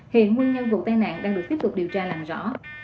hiện nguyên nhân vụ tai nạn đang được tiếp tục điều tra làm rõ